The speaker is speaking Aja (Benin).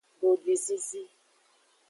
Dodwizizi.